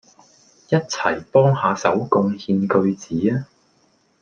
一齊幫下手貢獻句子吖